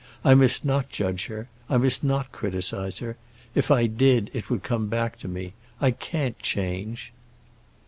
I must not judge her; I must not criticize her. If I did, it would come back to me. I can't change!"